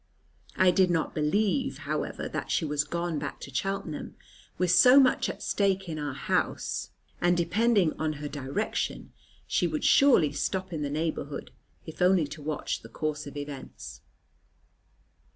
I did not believe, however, that she was gone back to Cheltenham. With so much at stake in our house, and depending on her direction, she would surely stop in the neighbourhood, if only to watch the course of events.